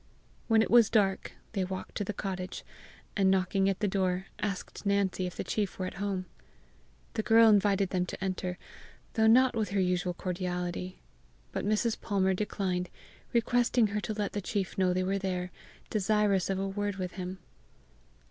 When it was dark they walked to the cottage, and knocking at the door, asked Nancy if the chief were at home. The girl invited them to enter, though not with her usual cordiality; but Mrs. Palmer declined, requesting her to let the chief know they were there, desirous of a word with him.